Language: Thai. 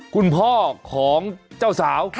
คุณพ่อของเจ้าสาว